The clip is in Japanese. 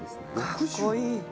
かっこいい。